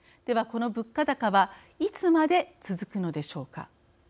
この物価高はいつまで続くのでしょうか。